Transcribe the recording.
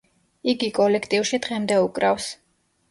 იგი კოლექტივში დღემდე უკრავს.